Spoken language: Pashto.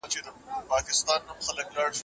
پلار به بیا ښار ته ولاړ شي.